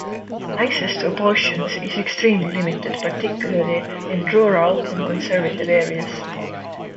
Access to abortions is extremely limited, particularly in rural and conservative areas.